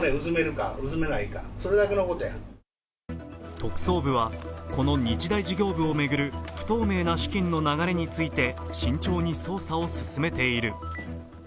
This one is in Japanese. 特捜部はこの日大事業部を巡る不透明な資金の流れについて慎重に捜査を進めている。